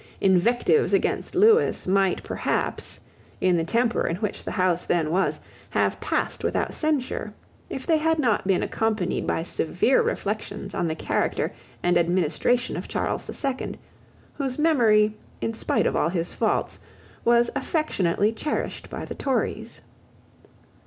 Invectives against Lewis might perhaps, in the temper in which the House then was, have passed without censure, if they had not been accompanied by severe reflections on the character and administration of Charles the Second, whose memory, in spite of all his faults, was affectionately cherished by the Tories.